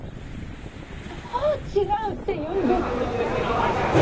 どう違うっていうんです？